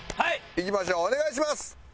いきましょうお願いします。